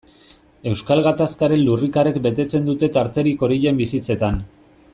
Euskal Gatazkaren lurrikarek betetzen dute tarterik horien bizitzetan.